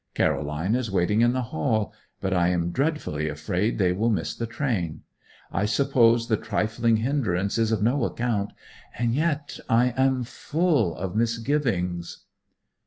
Caroline is waiting in the hall; but I am dreadfully afraid they will miss the train. I suppose the trifling hindrance is of no account; and yet I am full of misgivings